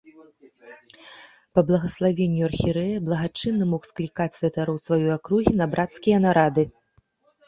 Па благаславенню архірэя благачынны мог склікаць святароў сваёй акругі на брацкія нарады.